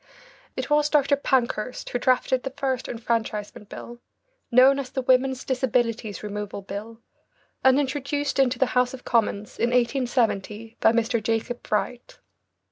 It was Dr. Pankhurst who drafted the first enfranchisement bill, known as the Women's Disabilities Removal Bill, and introduced into the House of Commons in 1870 by Mr. Jacob Bright.